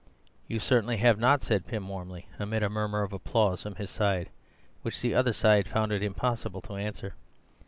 "You certainly have not," said Pym warmly, amid a murmur of applause from his side, which the other side found it impossible to answer.